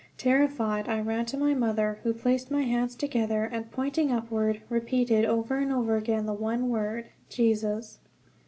Terrified, I ran to my mother, who placed my hands together, and pointing upward repeated over and over again the one word "Jesus."